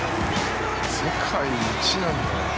世界一なんだよ。